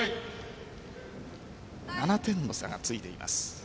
７点の差がついています。